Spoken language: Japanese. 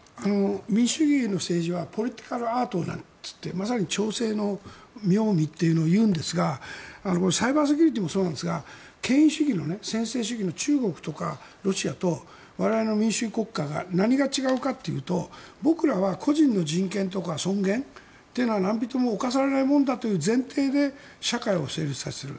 民主主義の政治はポリティカルアートなんて言ってまさに調整の妙味というのを言うんですがサイバーセキュリティーもそうなんですが権威主義の専制主義の中国とかロシアと我々の民主主義国家が何が違うかというと僕らは個人の人権とか尊厳というのは何人も侵されないものだという前提で社会を成立させる。